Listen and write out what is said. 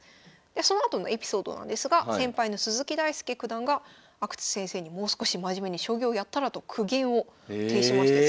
そのあとのエピソードなんですが先輩の鈴木大介九段が阿久津先生にもう少し真面目に将棋をやったらと苦言を呈しました。